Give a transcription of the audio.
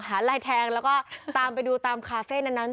ลายแทงแล้วก็ตามไปดูตามคาเฟ่นั้น